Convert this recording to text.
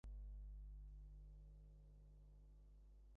অপরদিকে পাইথন হচ্ছে দুনিয়ার সকল সমস্যার সমাধান!